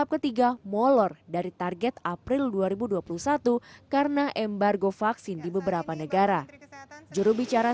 ketiga molor dari target april dua ribu dua puluh satu karena embargo vaksin di beberapa negara jurubicara